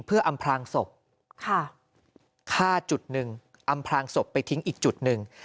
เพื่ออำพลางศพฆ่าจุดหนึ่งอำพลางศพไปทิ้งอีกจุดหนึ่ง